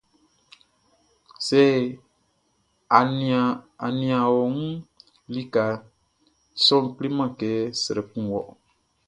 Sɛ a nian ɔ wun likaʼn, i sɔʼn kleman kɛ srɛ kun wɔ.